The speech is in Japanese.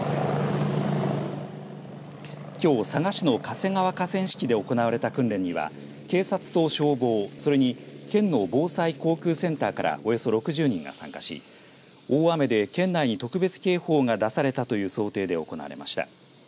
きょう佐賀市の嘉瀬川河川敷で行われた訓練には警察と消防、それに県の防災航空センターからおよそ６０人が参加し、大雨で県内に特別警報が出されたという想定で行われました。